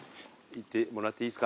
行ってもらっていいっすか？